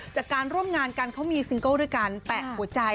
จากการร่วมงานกันเขามีซิงเกิลด้วยการแปะหัวใจ